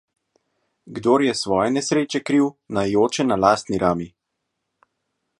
Kdor je svoje nesreče kriv, naj joče na lastni rami.